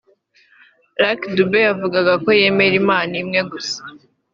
Lucky Dube yavugaga ko yemera Imana imwe gusa